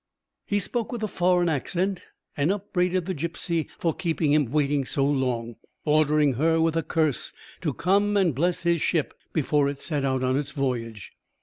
He spoke with a foreign accent, and upbraided the gipsy for keeping him waiting so long, ordering her, with a curse, to come and bless his ship before it set out on its voyage.